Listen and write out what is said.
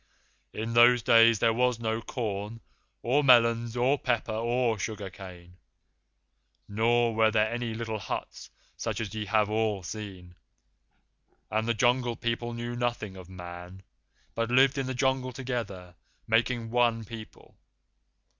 "In those days there was no corn or melons or pepper or sugar cane, nor were there any little huts such as ye have all seen; and the Jungle People knew nothing of Man, but lived in the Jungle together, making one people.